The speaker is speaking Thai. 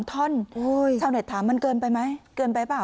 ท่อนชาวเน็ตถามมันเกินไปไหมเกินไปเปล่า